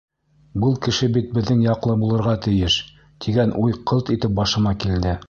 Был кеше бит беҙҙең яҡлы булырға тейеш, тигән уй ҡылт итеп башыма килде.